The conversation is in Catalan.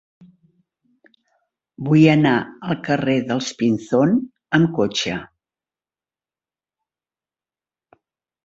Vull anar al carrer dels Pinzón amb cotxe.